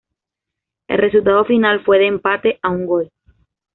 El resultado final fue de empate a un gol.